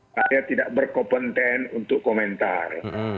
saya tidak berkompeten untuk komentar